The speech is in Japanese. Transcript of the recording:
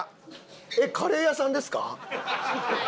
えっカレー屋さんですか？